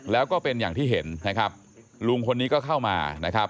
แล้วก็เป็นอย่างที่เห็นนะครับลุงคนนี้ก็เข้ามานะครับ